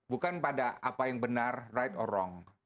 bukan pada apa yang benar right or wrong